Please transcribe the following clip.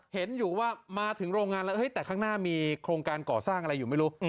เห็นอยู่ว่ามาถึงโรงงานแล้วแต่ข้างหน้ามีโครงการก่อสร้างอะไรอยู่ไม่รู้